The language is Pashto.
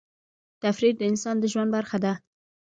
تفریح د انسان د ژوند برخه ده.